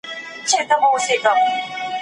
د قوانینو ژبه څنګه ټاکل کېږي؟